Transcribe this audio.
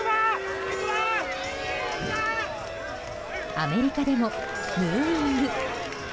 アメリカでもヌーイング。